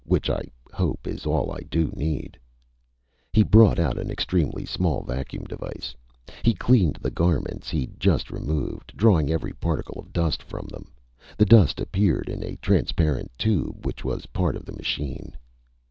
Which I hope is all I do need!" He brought out an extremely small vacuum device. He cleaned the garments he'd just removed, drawing every particle of dust from them. The dust appeared in a transparent tube which was part of the machine.